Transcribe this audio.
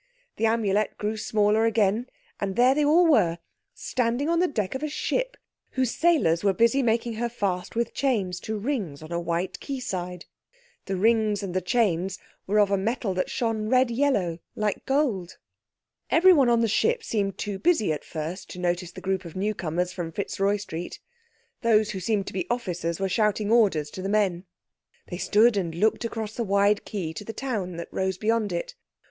The Amulet grew smaller again, and there they all were, standing on the deck of a ship whose sailors were busy making her fast with chains to rings on a white quay side. The rings and the chains were of a metal that shone red yellow like gold. Everyone on the ship seemed too busy at first to notice the group of newcomers from Fitzroy Street. Those who seemed to be officers were shouting orders to the men. They stood and looked across the wide quay to the town that rose beyond it.